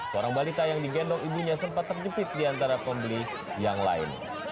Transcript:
seorang balita yang digendong ibunya sempat terjepit di antara pembeli yang lain